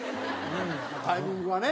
タイミングがね。